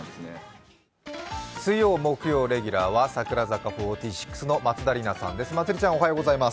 水曜、木曜レギュラーは櫻坂４６の松田里奈さんです。